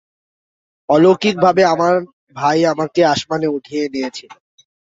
অলৌকিকভাবে, আমার ভাই আমাকে আসমানে উঠিয়ে নিয়েছিল।